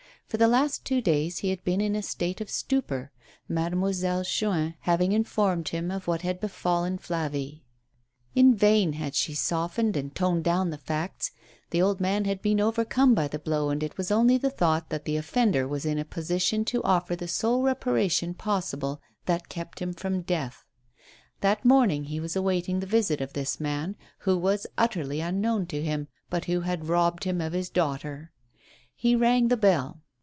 For the last two days he had been in a state of stupor. Mademoiselle Chuin having informed him of what had befallen Flavie. In vain had she softened and toned down the facts; the old man had been overcome by the blow, and it was only the thought that the offender was in a position to offer the sole reparation possible that kept him from death. That morning he was awaiting the visit of this man, who was utterly unknown to him, but who had robbed him of his daugh ter. He rang the bell.